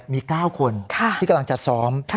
มี๙คนที่กำลังจะซ้อม